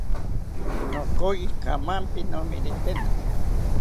Nokoyi kamanpi nomiritena